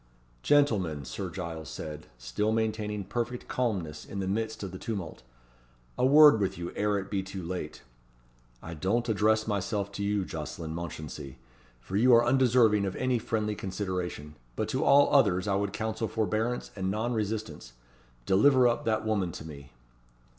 "Gentlemen," Sir Giles said, still maintaining perfect calmness in the midst of the tumult, "a word with you ere it be too late. I don't address myself to you, Jocelyn Mounchensey, for you are undeserving of any friendly consideration but to all others I would counsel forbearance and non resistance. Deliver up that woman to me."